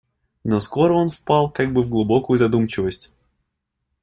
Но скоро он впал как бы в глубокую задумчивость.